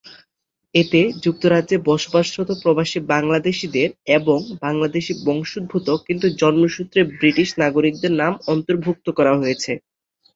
এতে যুক্তরাজ্যে বসবাসরত প্রবাসী বাংলাদেশীদের এবং বাংলাদেশী বংশোদ্ভুত কিন্তু জন্মসূত্রে ব্রিটিশ নাগরিকদের নাম অন্তর্ভুক্ত করা হয়েছে।